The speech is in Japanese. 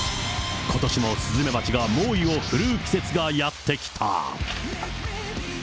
ことしもスズメバチが猛威を振るう季節がやって来た。